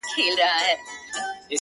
ستا د ميني پـــه كـــورگـــي كـــــي.!